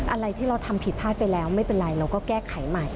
อะไรที่เราทำผิดพลาดไปแล้วไม่เป็นไรเราก็แก้ไขใหม่